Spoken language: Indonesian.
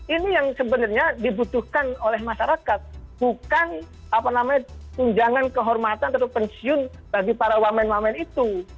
ini yang sebenarnya dibutuhkan oleh masyarakat bukan tunjangan kehormatan atau pensiun bagi para wamen wamen itu